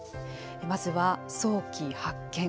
まずは早期発見。